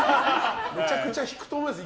めちゃくちゃ引くと思います。